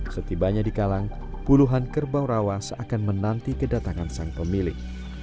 setibanya di kalang puluhan kerbau rawa seakan menanti kedatangan sang pemilik